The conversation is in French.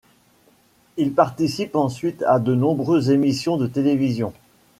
Il participe ensuite à de nombreuses émissions de télévision.